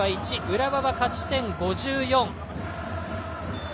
浦和は勝ち点５４。